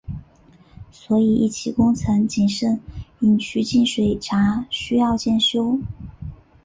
所以一期工程仅剩引渠进水闸需要修建。